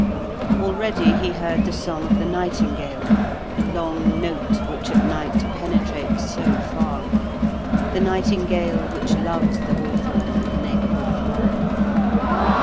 Already he heard the song of the nightingale, the long note which at night penetrates so far; the nightingale, which loves the hawthorn and the neighbourhood of man.